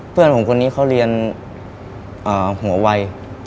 เพื่อนผมคนนี้เขาเรียนหัววัย